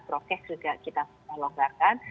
prokes juga kita longgarkan